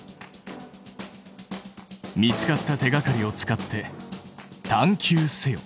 見つかった手がかりを使って探究せよ！